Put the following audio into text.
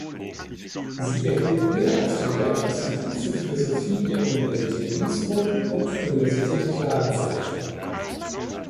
Sie erhielt Lehraufträge am Institut für Philosophie der Universität Innsbruck und Universität Klagenfurt.